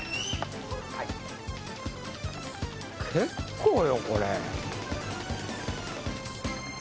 結構よこれ。